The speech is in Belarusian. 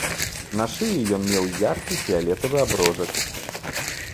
На шыі ён меў яркі фіялетавы аброжак.